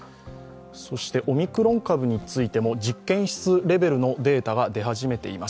そしてオミクロン株についても実験室レベルのデータが出始めています。